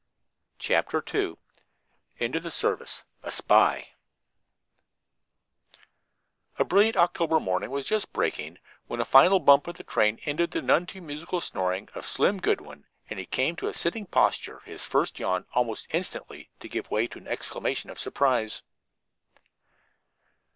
CHAPTER II INTO THE SERVICE A SPY A brilliant October morning was just breaking when a final bump of the train ended the none too musical snoring of Slim Goodwin and he came to a sitting posture, his first yawn almost instantly to give way to an exclamation of surprise.